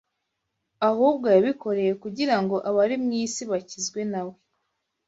ahubwo yabikoreye kugira ngo abari mu isi bakizwe na we